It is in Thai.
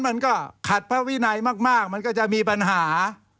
มันก็ขัดพระวินัยมากมันก็จะมีปัญหา